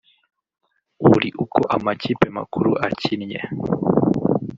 buri uko amakipe makuru akinnye